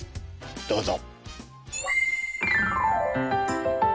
どうぞ。